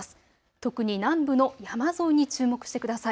特に南部の山沿いに注目してください。